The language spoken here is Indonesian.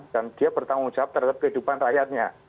dan dia bertanggung jawab terhadap kehidupan rakyatnya